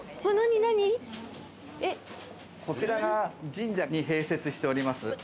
こちらが神社に併設しています